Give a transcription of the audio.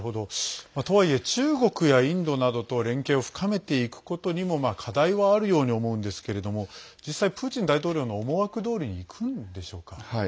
とはいえ、中国やインドなどと連携を深めていくことにも課題はあるように思うんですけれども実際、プーチン大統領の思惑どおりにいくんでしょうか？